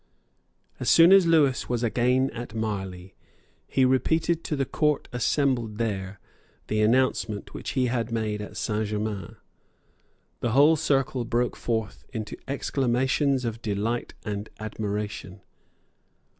As soon as Lewis was again at Marli, he repeated to the Court assembled there the announcement which he had made at Saint Germains. The whole circle broke forth into exclamations of delight and admiration.